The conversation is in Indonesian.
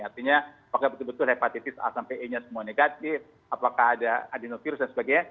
artinya apakah betul betul hepatitis a sampai e nya semua negatif apakah ada adenovirus dan sebagainya